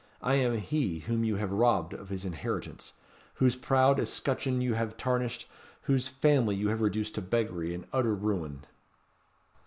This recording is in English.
I am he whom you have robbed of his inheritance; whose proud escutcheon you have tarnished; whose family you have reduced to beggary and utter ruin."